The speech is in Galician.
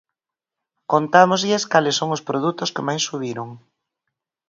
Contámoslles cales son os produtos que máis subiron.